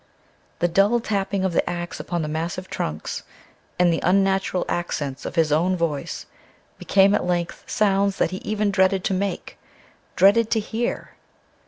The dull tapping of the axe upon the massive trunks, and the unnatural accents of his own voice became at length sounds that he even dreaded to make, dreaded to hear.